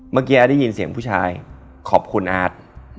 เมื่อกี้อาร์ตได้ยินเสียงผู้ชายขอบคุณอาร์ต